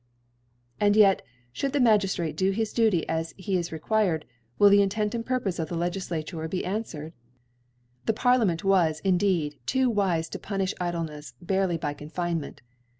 And (99 ) And ytt (bould the Magtftnue do his Duty ^ he is required, will the Intent and Purpofe of the Legiftature be anfwered ? 'The Parliament was, indeed, too wife to puniQi Idlenefs barely by Confinement.